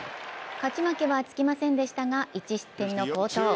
勝ち負けはつきませんでしたが１失点の好投。